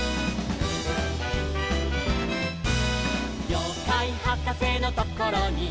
「ようかいはかせのところに」